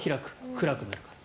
暗くなるから。